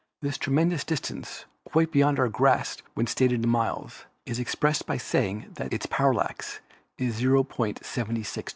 This tremendous dis tance, quite beyond our grasp when stated in miles, is ex pressed by saying that its parallax is o"76.